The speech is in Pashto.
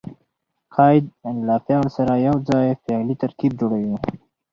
قید له فعل سره یوځای فعلي ترکیب جوړوي.